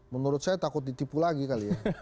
menurut saya takut ditipu lagi kali ya